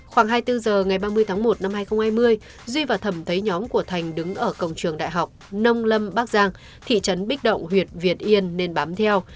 khoảng hai mươi bốn h ngày ba mươi tháng một năm hai nghìn hai mươi duy và thẩm thấy nhóm của thành đứng ở cổng trường đại học nông lâm bắc giang thị trấn bích động huyện việt yên nên bám theo